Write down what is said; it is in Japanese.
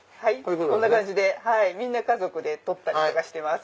こんな感じでみんな家族で撮ってます